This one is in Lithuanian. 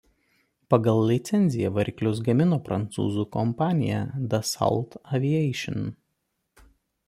Pagal licenciją variklius gamino prancūzų kompanija Dassault Aviation.